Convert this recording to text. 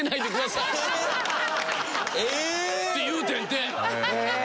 えーっ！って言うてんて。